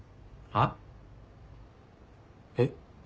えっ？